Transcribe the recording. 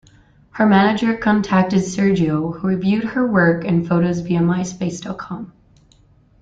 Her manager contacted Sergio who reviewed her work and photos via myspace dot com.